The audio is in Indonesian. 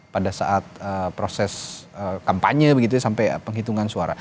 pada saat proses kampanye begitu ya sampai penghitungan suara